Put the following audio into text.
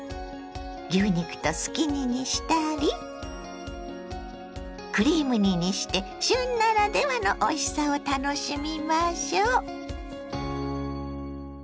牛肉とすき煮にしたりクリーム煮にして旬ならではのおいしさを楽しみましょ。